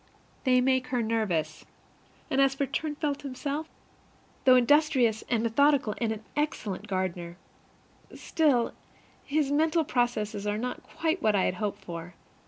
They make her nervous. And as for Turnfelt himself, though industrious and methodical and an excellent gardener, still, his mental processes are not quite what I had hoped for.